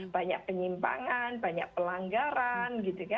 banyak penyimpangan banyak pelanggaran